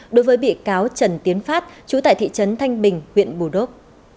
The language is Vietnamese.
đối với bị cáo trần tiến phát chú tại thị trấn thanh bình huyện bù đốc